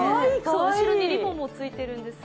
後ろにリボンもついているんですよ。